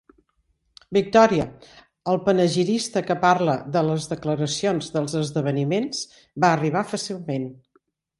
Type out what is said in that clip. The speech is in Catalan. Victòria, el panegirista que parla de les declaracions dels esdeveniments, va arribar fàcilment.